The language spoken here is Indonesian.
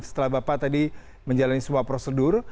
setelah bapak tadi menjalani semua prosedur